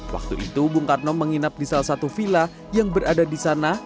waktu itu bung karno menginap di salah satu villa yang berada di sana